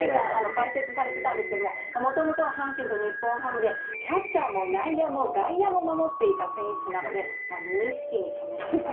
解説されていたんですがもともとは阪神と日本ハムでキャッチャーも内野も外野も守っていた選手なので無意識にはめてた。